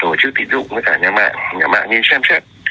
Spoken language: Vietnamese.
tổ chức tín dụng với cả nhà mạng nhà mạng nên xem xét